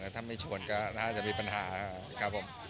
ถ้าไม่ชวนก็น่าจะมีปัญหาครับผม